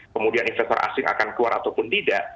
kemudian investor asing akan keluar ataupun tidak